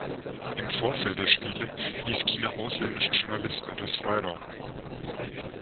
Im Vorfeld der Spiele ließ China ausländischen Journalisten etwas Freiraum.